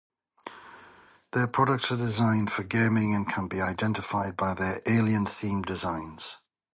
Their products are designed for gaming and can be identified by their alien-themed designs.